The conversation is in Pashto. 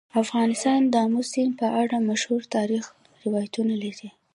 افغانستان د آمو سیند په اړه مشهور تاریخی روایتونه لري.